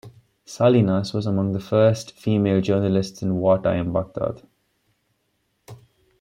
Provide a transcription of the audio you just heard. Salinas was among the first female journalists in wartime Baghdad.